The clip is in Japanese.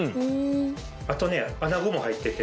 あとね穴子も入ってて。